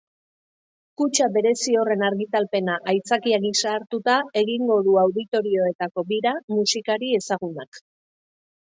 Kutxa berezi horren argitalpena aitzakia gisa hartuta egigo du auditorioetako bira musikari ezagunak.